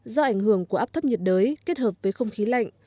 do ảnh hưởng của áp thấp nhiệt đới kết hợp với không khí lạnh